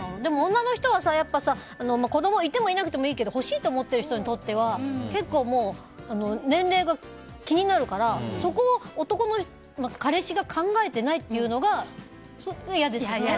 女の人はやっぱり子供いてもいなくてもいいけど欲しいと思ってる人にとっては年齢が気になるからそこを彼氏が考えていないというのが嫌ですよね。